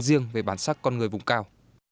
riêng về bản sắc con người vùng cao